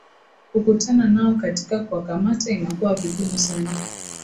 kukutana nao katika kuwakamata inakuwa vigumu sana